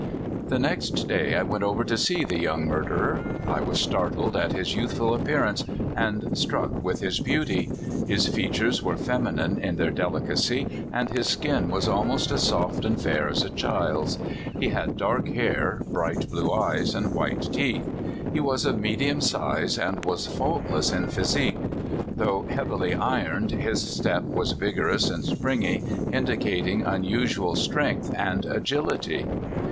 The next day I went over to see the young mur derer. I was startled at his youthful appearance, and struck with his beauty. His features were feminine in their delicacy, and his skin was almost as soft and fair as a child's. He had dark hair, bright blue eyes, and white teeth. He was of me dium size, and was faultless \n fhysique. Though heavily ironed, his step was vigorous and springy, indicating unusual strength and agility.